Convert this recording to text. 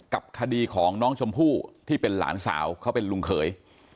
กับคดีของน้องชมพู่ที่เป็นหลานสาวเขาเป็นลุงเขย